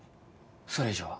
それ以上は。